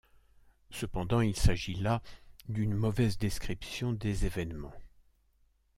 Cependant, il s'agit là d'une mauvaise description des événements.